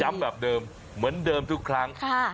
แบบเดิมเหมือนเดิมทุกครั้ง